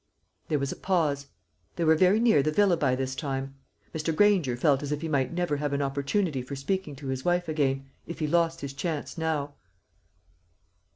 There was a pause. They were very near the villa by this time. Mr. Granger felt as if he might never have an opportunity for speaking to his wife again, if he lost his chance now.